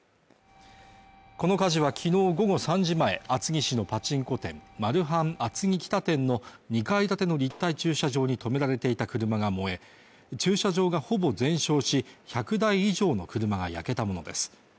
この火事はきのう午後３時前厚木市のパチンコ店マルハン厚木北店の２階建ての立体駐車場に止められていた車が燃え駐車場がほぼ全焼し１００台以上の車が焼けたものです